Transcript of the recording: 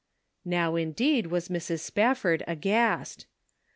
Now, indeed, was Mrs. Spafford aghast.